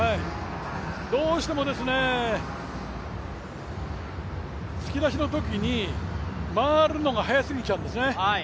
どうしても突き出しのときに回るのが速すぎちゃうんですね。